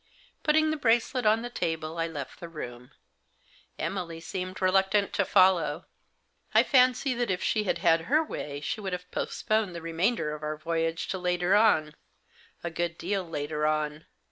Putting the bracelet on the table, I left the room. Emily seemed reluctant to follow. I fancy that if she had had her way she would have postponed the remainder of our voyage to later on — a good deal later on.